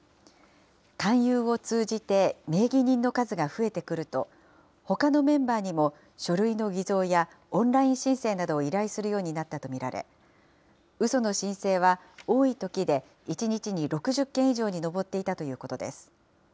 勧誘を通じて名義人の数が増えてくると、ほかのメンバーにも書類の偽造やオンライン申請などを依頼するようになったと見られ、うその申請は多いときで１日に６０件以上に上っていたということです。